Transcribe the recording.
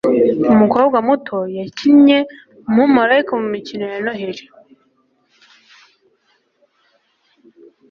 umukobwa muto yakinnye umumarayika mumikino ya noheri